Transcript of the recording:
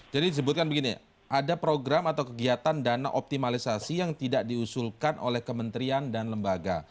jadi disebutkan begini ada program atau kegiatan dana optimalisasi yang tidak diusulkan oleh kementerian dan lembaga